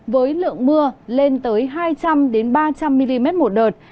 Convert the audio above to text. với lượng mưa lên tới hai trăm linh ba trăm linh mm một đợt